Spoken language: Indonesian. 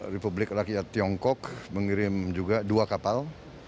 republik rakyat tiongkok mengirim juga dua kapal